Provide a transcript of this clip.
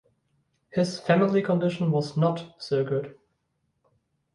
His family condition was not so good.